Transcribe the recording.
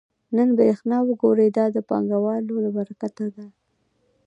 نن برېښنا وګورئ دا د پانګوالو له برکته ده